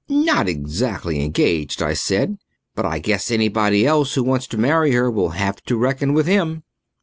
"Not exactly engaged," I said, "but I guess anybody else who wants to marry her will have to reckon with him."